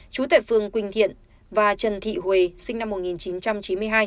chú tệ phương quỳnh thiện và trần thị huế sinh năm một nghìn chín trăm chín mươi hai